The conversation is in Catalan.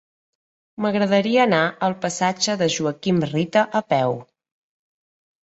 M'agradaria anar al passatge de Joaquim Rita a peu.